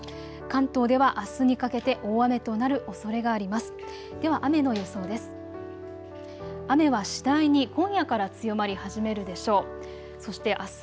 関東ではあすにかけて大雨となるおそれがあります。